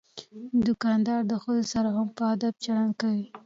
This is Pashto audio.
دوکاندار د ښځو سره هم په ادب چلند کوي.